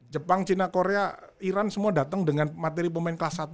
jepang cina korea iran semua datang dengan materi pemain kelas satu